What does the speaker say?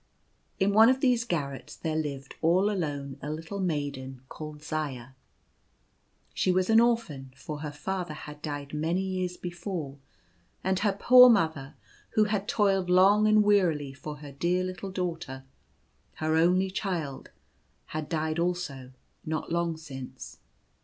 In one of these garrets there lived all alone a little maiden called Zaya. She was an orphan, for her father had died many years before, and her poor mother, who had toiled long and wearily for her dear little daughter — her only child — had died also not long since.